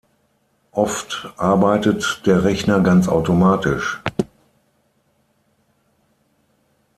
Oft arbeitet der Rechner ganz automatisch.